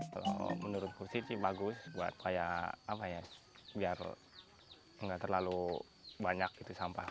kalau menurut kursi sih bagus biar gak terlalu banyak sampah